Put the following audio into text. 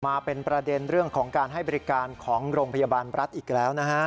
มาเป็นประเด็นเรื่องของการให้บริการของโรงพยาบาลรัฐอีกแล้วนะฮะ